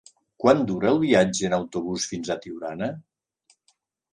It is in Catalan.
Quant dura el viatge en autobús fins a Tiurana?